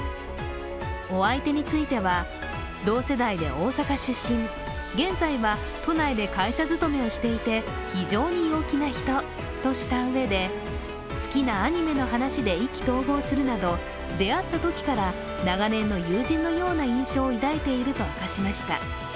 お相手については、同世代で大阪出身、現在は都内で会社勤めをしていて非常に陽気な人としたうえで好きなアニメの話で意気投合するなど、出会ったときから長年の友人のような印象を抱いていると明かしました。